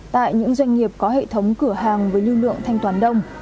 tại những doanh nghiệp có hệ thống cửa hàng với lưu lượng thanh toán đông